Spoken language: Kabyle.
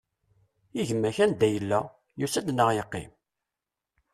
I gma-k, anda i yella? Yusa-d neɣ yeqqim?